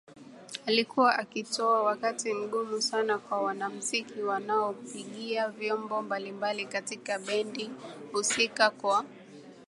alikuwa akitoa wakati mgumu sana kwa wanamuziki wanaompigia vyombo mbalimbali katika bendi husika kwa